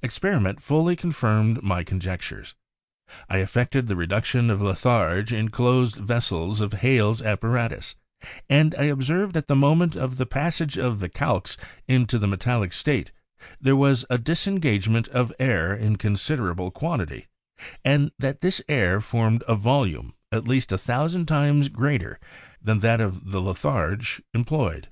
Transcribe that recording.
Experiment fully confirmed my conjectures. I effected the reduction of litharge in closed vessels with Hales' apparatus, and I observed that at the moment of the passage of the calx into the metallic state, there was a disengagement of air in considerable quantity, and that this air formed a volume at least a thousand times greater than that of the litharge employed.